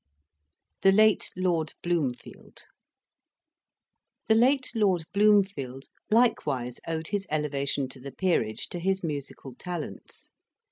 THE LATE LORD BLOOMFIELD The late Lord Bloomfield likewise owed his elevation to the Peerage to his musical talents.